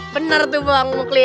bener tuh bang mukli